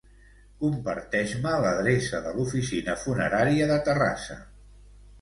Comparteix-me l'adreça de l'oficina funerària de Terrassa.